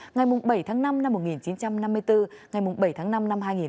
ngày bảy tháng năm năm một nghìn chín trăm năm mươi bốn ngày bảy tháng năm năm hai nghìn hai mươi bốn